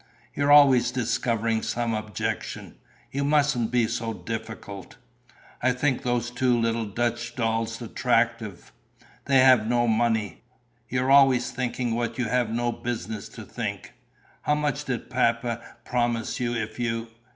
You're always discovering some objection. You mustn't be so difficult." "I think those two little Dutch dolls attractive." "They have no money. You're always thinking what you have no business to think." "How much did Papa promise you if you...."